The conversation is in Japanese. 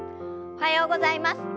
おはようございます。